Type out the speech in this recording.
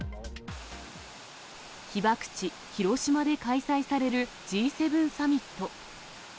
被爆地、広島で開催されるＧ７サミット。